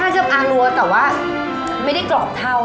แค่ค่อยเชิดอารัวแต่ว่าไม่ได้กรอบเทา